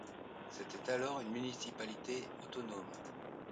C'était alors une municipalité autonome.